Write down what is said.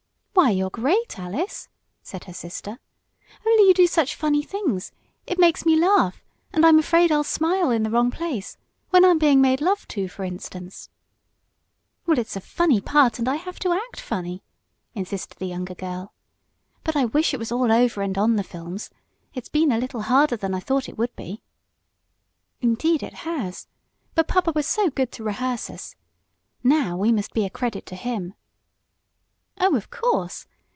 "Why, you're great, Alice!" said her sister. "Only you do such funny things it makes me laugh, and I'm afraid I'll smile in the wrong place when I'm being made love to, for instance." "Well, it's a funny part, and I have to act funny," insisted the younger girl. "But I wish it was all over, and on the films. It's been a little harder than I thought it would be." "Indeed it has. But papa was so good to rehearse us. Now we must be a credit to him." "Oh, of course.